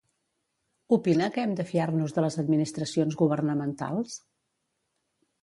Opina que hem de fiar-nos de les administracions governamentals?